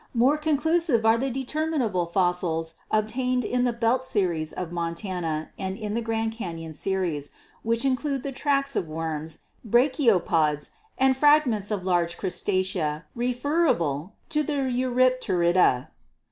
More conclusive are the determinable fossils obtained in the Belt series of Montana and in the Grand Canon series, which include the tracks of worms, brachiopods and fragments of large Crustacea referable to the Eurypterida.